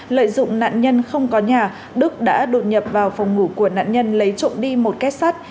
lợi dụng nạn nhân không có nhà đức đã đột nhập vào phòng ngủ của nạn nhân lấy trộn đi một kép sát